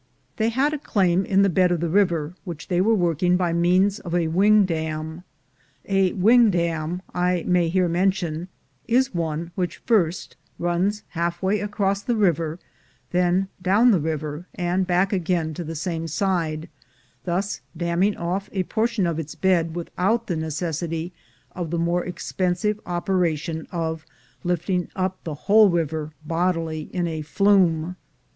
They had a claim in the bed of the river, which they were working by means of a wing dam. A "wing dam," I may here mention, is one which first runs half way across the river, then down the river, and back again to the same side, thus damming ofiF a portion of its bed with out the necessity of the more expensive operation of lifting up the whole river bodily in a "flume."